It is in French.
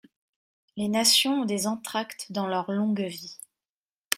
Les nations ont des entr'actes dans leur longue vie.